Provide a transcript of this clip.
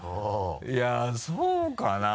いやそうかな？